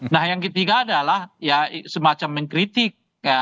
nah yang ketiga adalah ya semacam mengkritik